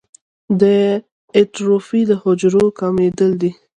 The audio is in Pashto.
د اټروفي د حجرو کمېدل دي.